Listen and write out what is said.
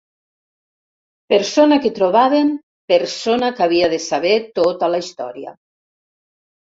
Persona que trobàvem, persona que havia de saber tota la història.